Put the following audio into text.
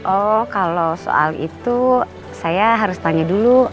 oh kalau soal itu saya harus tanya dulu